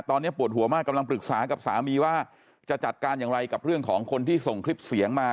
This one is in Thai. ตอนนี้ปวดหัวมากกำลังปรึกษากับสามีว่าจะจัดการอย่างไรกับเรื่องของคนที่ส่งคลิปเสียงมา